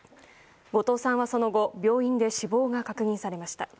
後藤さんはその後、病院で死亡が確認されました。